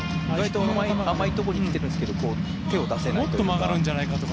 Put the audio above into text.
甘いところに来ていますけど手を出せないと。